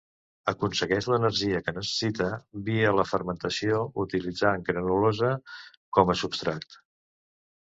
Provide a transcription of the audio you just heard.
Aconsegueix l'energia que necessita via la fermentació utilitzant granulosa com a substrat.